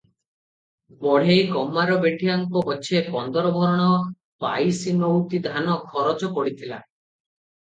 ବଢ଼େଇ, କମାର ବେଠିଆଙ୍କ ପଛେ ପନ୍ଦର ଭରଣ ବାଇଶି ନଉତି ଧାନ ଖରଚ ପଡିଥିଲା ।